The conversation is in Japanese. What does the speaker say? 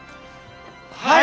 はい！